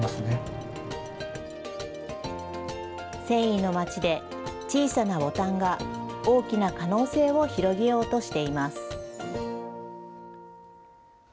繊維の街で、小さなボタンが大きな可能性を広げようとしています。